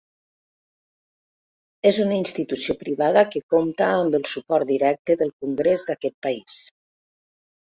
És una institució privada, que compta amb el suport directe del Congrés d'aquest país.